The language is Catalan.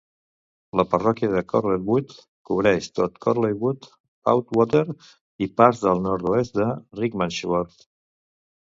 La parròquia de Chorleywood cobreix tot Chorleywood, Loudwater i parts del nord-oest de Rickmansworth.